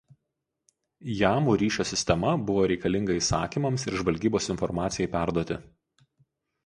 Jamų ryšio sistema buvo reikalinga įsakymams ir žvalgybos informacijai perduoti.